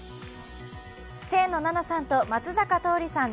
清野菜名さんと松坂桃李さん